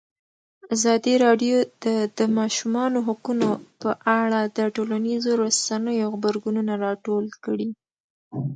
ازادي راډیو د د ماشومانو حقونه په اړه د ټولنیزو رسنیو غبرګونونه راټول کړي.